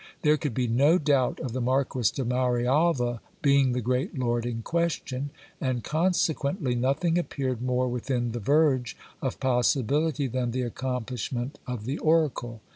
There could be no doubt of the Marquis de Marialva being the great lord in question ; and consequently nothing appeared more within the verge of possibility than the accomplishment of the oracle.